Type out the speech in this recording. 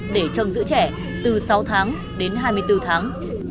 để trông giữ trẻ từ sáu tháng đến hai mươi bốn tháng